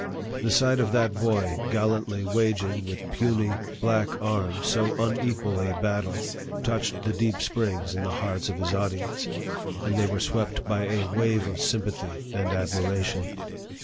The sight of that boy gallantly waging with puny, black arms so unequal a battle touched the deep springs in the hearts of his audience, and they were swept by a wave of sympathy and admiration.